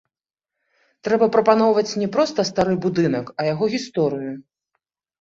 Трэба прапаноўваць не проста стары будынак, а яго гісторыю.